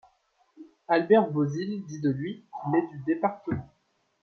Albert Bausil dit de lui qu'il est du département.